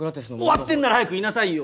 終わってんなら早く言いなさいよ。